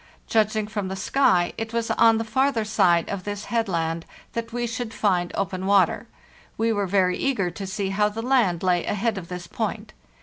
Judging from the sky, it was on the farther side of this headland that we should find open water. We were very eager to see how the land lay ahead of this point.